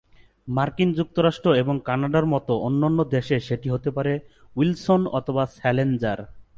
মার্কিন যুক্তরাষ্ট্র এবং কানাডার মতো অন্যান্য দেশে সেটি হতে পারে উইলসন অথবা স্ল্যাজেঞ্জার।